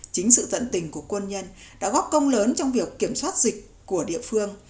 chính sự tận tình của quân nhân đã góp công lớn trong việc kiểm soát dịch của địa phương